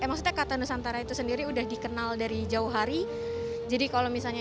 maksudnya kata nusantara itu sendiri udah dikenal dari jauh hari jadi kalau misalnya